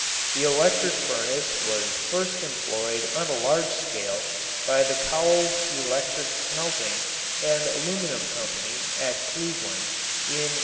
The electric furnace was first employed on a large scale by the Cowles Electric Smelting and Aluminum Company at Cleveland in 1885.